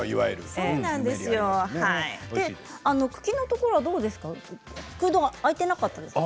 茎のところはどうですか？